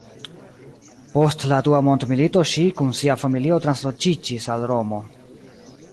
Post la dua mondmilito ŝi kun sia familio transloĝiĝis al Romo.